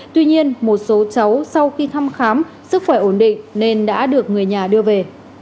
tuy nhiên một số cháu sau khi thăm khám sức khỏe ổn định nên đã được người nhà đưa về